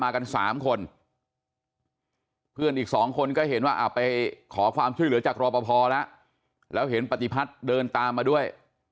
กัน๓คนเพื่อนอีกสองคนก็เห็นว่าไปขอความช่วยเหลือจากรอปภแล้วแล้วเห็นปฏิพัฒน์เดินตามมาด้วย